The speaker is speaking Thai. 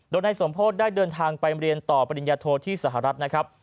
โดยนายสมโพธิได้เดินทางไปเรียนต่อปริญญาโทที่สหรัฐนะครับ